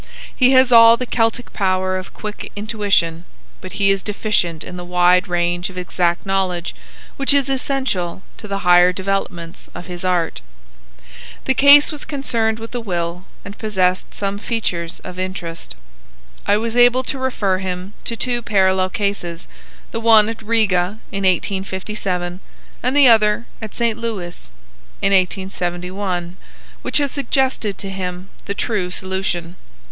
He has all the Celtic power of quick intuition, but he is deficient in the wide range of exact knowledge which is essential to the higher developments of his art. The case was concerned with a will, and possessed some features of interest. I was able to refer him to two parallel cases, the one at Riga in 1857, and the other at St. Louis in 1871, which have suggested to him the true solution.